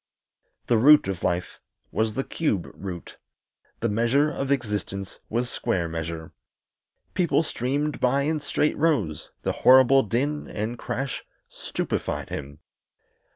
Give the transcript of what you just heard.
The root of life was the cube root; the measure of existence was square measure. People streamed by in straight rows; the horrible din and crash stupefied him.